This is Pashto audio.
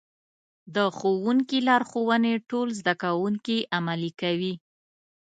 د ښوونکي لارښوونې ټول زده کوونکي عملي کوي.